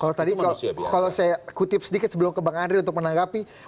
kalau tadi kalau saya kutip sedikit sebelum ke bang andri untuk menanggapi